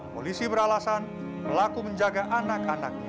polisi beralasan pelaku menjaga anak anaknya